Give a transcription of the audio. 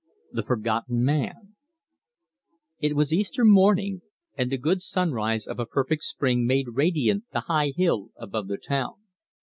THE FORGOTTEN MAN It was Easter morning, and the good sunrise of a perfect spring made radiant the high hill above the town.